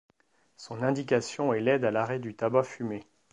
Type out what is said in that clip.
Son indication est l'aide à l'arrêt du tabac fumé.